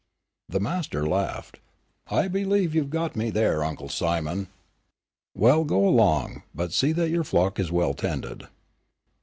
The master laughed, "I believe you've got me there, Uncle Simon; well go along, but see that your flock is well tended."